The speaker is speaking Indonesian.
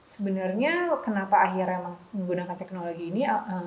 sebenarnya kenapa akhirnya menggunakan teknologi ini